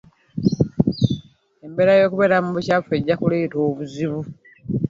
Embeera yokubeera mu bucaafu ejja kuleeta obuzibu.